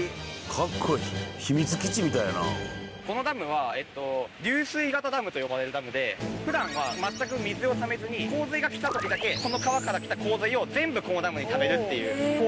カッコいい。と呼ばれるダムで普段は全く水をためずに洪水が来た時だけこの川から来た洪水を全部このダムにためるっていう。